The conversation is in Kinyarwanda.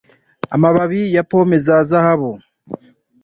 Amababi ya pome ya zahabu